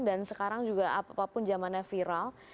dan sekarang juga apapun zamannya viral